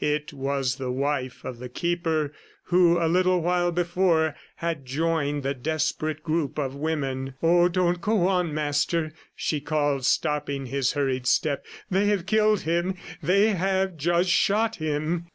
It was the wife of the Keeper who a little while before had joined the desperate group of women. "Oh, don't go on, Master," she called stopping his hurried step. "They have killed him. ... They have just shot him."